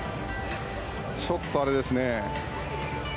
ちょっと、あれですね。